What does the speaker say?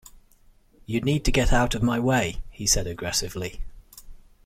You need to get out of my way! he said aggressively